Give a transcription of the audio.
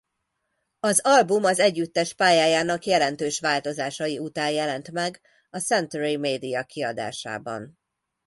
Az album az együttes pályájának jelentős változásai után jelent meg a Century Media kiadásában.